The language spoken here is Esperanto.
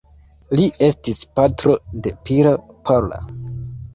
Li estis patro de Peter Parler.